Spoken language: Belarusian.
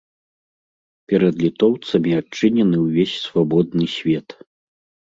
Перад літоўцамі адчынены ўвесь свабодны свет.